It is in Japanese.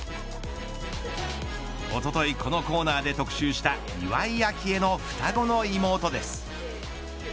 おととい、このコーナーで特集した岩井明愛の双子の妹です。